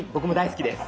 好きです。